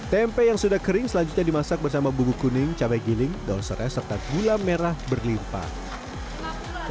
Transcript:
tempe yang sudah kering selanjutnya dimasak bersama bubuk kuning cabai giling daun serai serta gula merah berlimpah